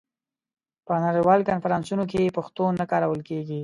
په نړیوالو کنفرانسونو کې پښتو نه کارول کېږي.